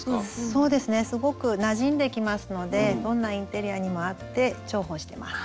そうですねすごくなじんできますのでどんなインテリアにも合って重宝してます。